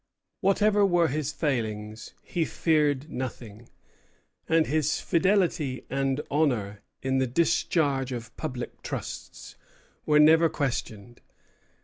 Whatever were his failings, he feared nothing, and his fidelity and honor in the discharge of public trusts were never questioned.